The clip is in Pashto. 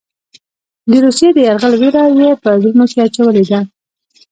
د روسیې د یرغل وېره یې په زړونو کې اچولې ده.